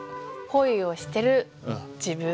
恋をしてる自分。